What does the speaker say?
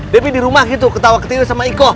debbie di rumah gitu ketawa ketawa sama iko